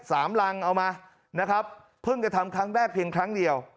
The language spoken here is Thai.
กำลังเอามานะครับเพิ่งจะทำครั้งแรกเพียงครั้งเดียว